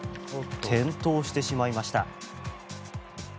転倒してしまいました。